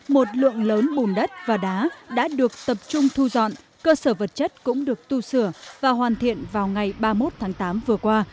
một lượng lớn bùn đất và đá đã được tập trung thu dọn cơ sở vật chất cũng được tu sửa và hoàn thiện vào ngày ba mươi một tháng tám vừa qua